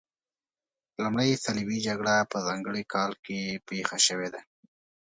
لومړۍ صلیبي جګړه په ځانګړي کال کې پیښه شوې ده.